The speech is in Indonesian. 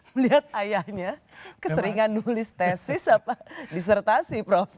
melihat ayahnya keseringan nulis tesis atau disertasi prof